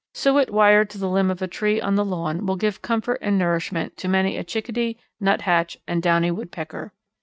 Suet wired to the limb of a tree on the lawn will give comfort and nourishment to many a Chickadee, Nuthatch and Downy Woodpecker.